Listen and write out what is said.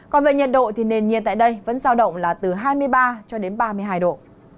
còn về nhiệt độ thì nền nhiệt tại đây vẫn giao động là từ hai mươi ba cho đến ba mươi hai độ